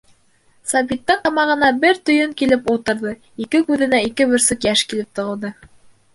Сабиттың тамағына бер төйөн килеп ултырҙы, ике күҙенә ике бөрсөк йәш килеп тығылды.